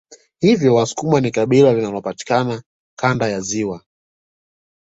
Hivyo wasukuma ni kabila linalopatikana Kanda ya ziwa